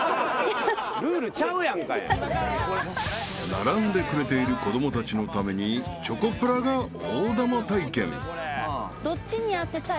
［並んでくれている子供たちのためにチョコプラが大玉体験］